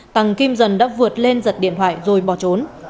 tăng kim dần đã vượt lên giật điện thoại rồi bỏ trốn